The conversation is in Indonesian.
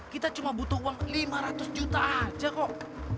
kita cuma butuh uang lima ratus juta aja kok